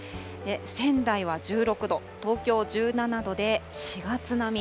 仙台は１６度、東京１７度で４月並み。